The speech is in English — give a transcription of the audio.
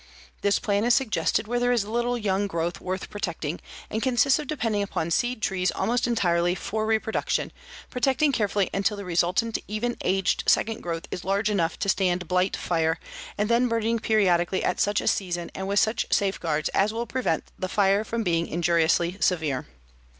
This plan is suggested where there is little young growth worth protecting and consists of depending upon seed trees almost entirely for reproduction, protecting carefully until the resultant even aged second growth is large enough to stand Blight fire, and then burning periodically at such a season and with such safeguards as will prevent the fire from being injuriously severe.